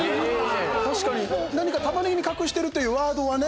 確かに、何か「タマネギに隠してる」というワードはね